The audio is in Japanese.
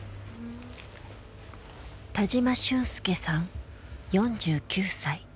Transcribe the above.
田嶋俊介さん４９歳。